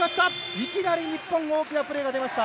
いきなり日本に大きなプレーが出ました。